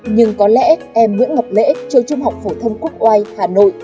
nhưng có lẽ em nguyễn ngọc lễ trường trung học phổ thông quốc oai hà nội